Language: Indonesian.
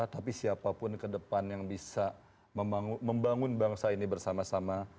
tapi siapapun ke depan yang bisa membangun bangsa ini bersama sama